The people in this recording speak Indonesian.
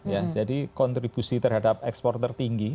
ya jadi kontribusi terhadap ekspor tertinggi